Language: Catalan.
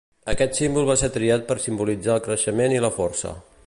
Aquest símbol va ser triat per simbolitzar el creixement i la força.